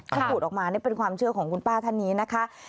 ถ้าพูดออกมานี่เป็นความเชื่อของคุณป้าท่านนี้นะคะ